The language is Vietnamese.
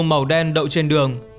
màu đen đậu trên đường